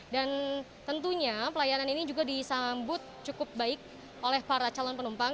dan tentunya pelayanan ini juga disambut cukup baik oleh para calon penumpang